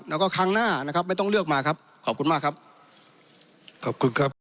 แล้วก็ครั้งหน้านะครับไม่ต้องเลือกมาครับขอบคุณมากครับขอบคุณครับ